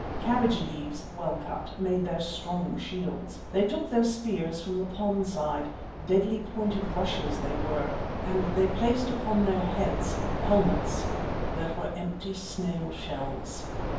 Cabbage leaves, well cut, made their strong shields. They took their spears from the pond side deadly pointed rushes they were, and they placed upon their heads helmets that were empty snail shells.